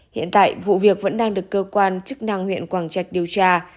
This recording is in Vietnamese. hiện tại vụ việc vẫn đang được cơ quan chức năng huyện quảng trạch điều tra